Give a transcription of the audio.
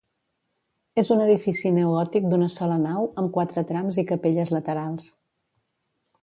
És un edifici neogòtic d'una sola nau amb quatre trams i capelles laterals.